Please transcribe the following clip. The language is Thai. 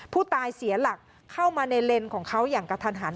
เสียหลักเข้ามาในเลนส์ของเขาอย่างกระทันหัน